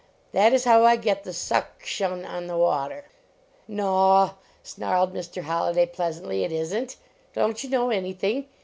That is how I get the suck shun on the water. " Naw," snarled Mr. Holliday, pleasantly, "it isn t! Don t you know anything?